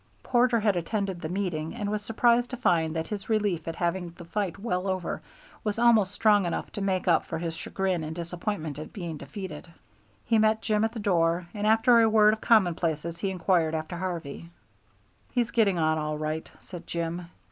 Porter had attended the meeting and was surprised to find that his relief at having the fight well over was almost strong enough to make up for his chagrin and disappointment at being defeated. He met Jim at the door, and after a word of commonplaces he inquired after Harvey. "He's getting on all right," said Jim.